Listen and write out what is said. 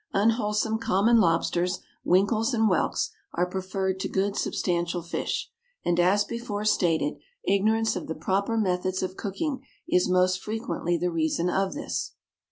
Unwholesome common lobsters, winkles, and whelks, are preferred to good substantial fish, and, as before stated, ignorance of the proper methods of cooking is most frequently the reason of this.